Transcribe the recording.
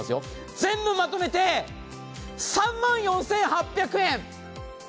全部まとめて３万４８００円！